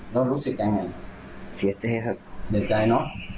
แล้วรู้สึกยังไงเสียใจครับเสียใจเนอะ